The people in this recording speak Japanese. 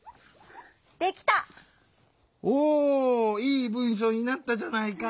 いい文しょうになったじゃないか。